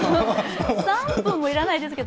３分もいらないですけど